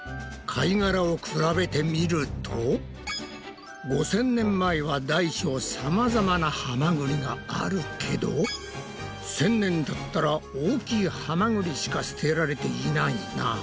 貝がらを比べてみると５０００年前は大小さまざまなハマグリがあるけど１０００年たったら大きいハマグリしか捨てられていないな！